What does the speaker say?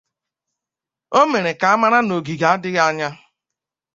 O mere ka a mara na oge adịghị anya